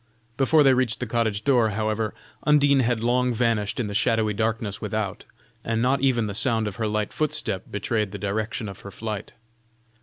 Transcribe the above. Before they reached the cottage door, however, Undine had long vanished in the shadowy darkness without, and not even the sound of her light footstep betrayed the direction of her flight.